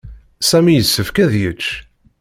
Sami yessefk ad yečč.